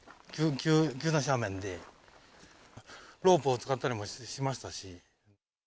急な斜面で、ロープを使ったりもしましたし。